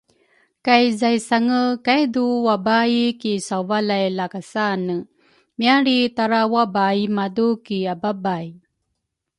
kay zaisange kaidu wabaai ki sauvalay lakasane, mialri tara wabaai madu ki ababay.